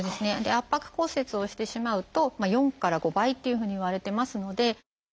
圧迫骨折をしてしまうと４から５倍っていうふうにいわれてますので。